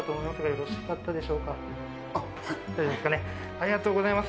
ありがとうございます。